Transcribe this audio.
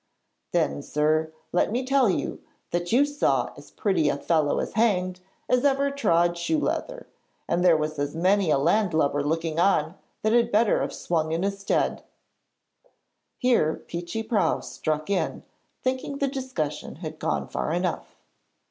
'Then, sir, let me tell you that you saw as pretty a fellow hanged as ever trod shoe leather, and there was many a landlubber looking on that had better have swung in his stead.' Here Peechy Prauw struck in, thinking the discussion had gone far enough.